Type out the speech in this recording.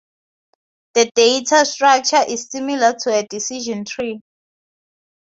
The data structure is similar to a decision tree.